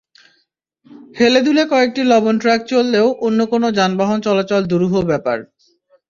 হেলেদুলে কয়েকটি লবণ ট্রাক চললেও অন্য কোনো যানবাহন চলাচল দুরূহ ব্যাপার।